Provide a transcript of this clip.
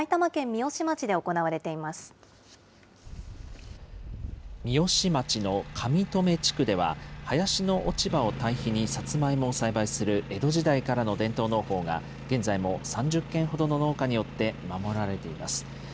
三芳町の上富地区では、林の落ち葉を堆肥にさつまいもを栽培する江戸時代からの伝統農法が、現在も３０軒ほどの農家によって守られています。